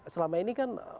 selama ini kan